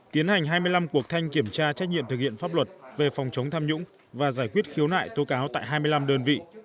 tiến hành hai mươi năm cuộc thanh kiểm tra trách nhiệm thực hiện pháp luật về phòng chống tham nhũng và giải quyết khiếu nại tố cáo tại hai mươi năm đơn vị